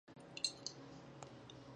باید د ټولو لخوا وپالل شي.